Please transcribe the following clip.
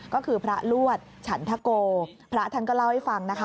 ก็คือพระลวดฉันทโกพระท่านก็เล่าให้ฟังนะคะ